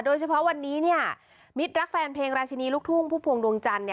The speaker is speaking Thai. โดยเฉพาะวันนี้มิตรรักแฟนเพลงราชินีลูกทุ่งผู้พวงดวงจันทร์